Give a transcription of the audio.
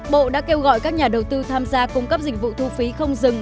bộ đã kêu gọi các nhà đầu tư tham gia cung cấp dịch vụ thu phí không dừng